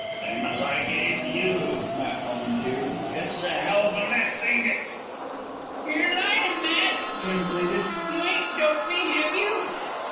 "Same as I gave you," Matt volunteered. "It's a hell of a mess, ain't it?" "You're lyin', Matt," Jim pleaded. "You ain't doped me, have you?"